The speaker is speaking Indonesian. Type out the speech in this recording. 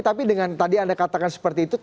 tapi dengan tadi anda katakan seperti itu